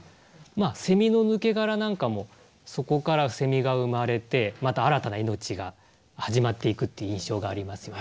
セミの抜け殻なんかもそこからセミが生まれてまた新たな命が始まっていくって印象がありますよね。